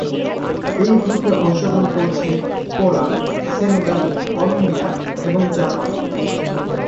এই গ্রুপে অংশগ্রহণ করছে পোল্যান্ড, সেনেগাল, কলম্বিয়া এবং জাপান।